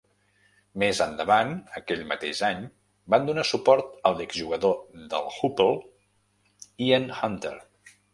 Més endavant, aquell mateix any, van donar suport a l'exjugador del Hoople Ian Hunter.